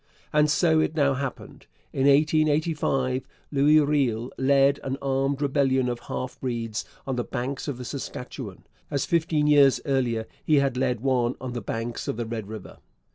And so it now happened. In 1885 Louis Riel led an armed rebellion of half breeds on the banks of the Saskatchewan, as fifteen years earlier he had led one on the banks of the Red River.